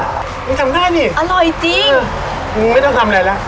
มึงทำได้นี่อร่อยจริงมึงไม่ต้องทำอะไรแล้ว